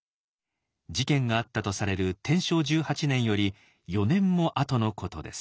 事件があったとされる天正１８年より４年も後のことです。